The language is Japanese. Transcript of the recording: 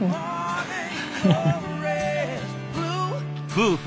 夫婦